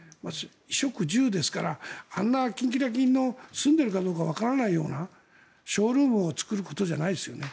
衣食住ですからあんなキンキラキンの住んでいるかがわからないようなショールームを作ることじゃないですよね。